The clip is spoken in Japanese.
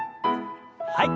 はい。